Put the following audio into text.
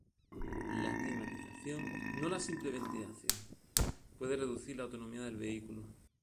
La climatización, no la simple ventilación, puede reducir la autonomía del vehículo.